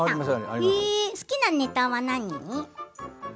好きなネタは何？